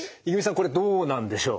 これどうなんでしょう？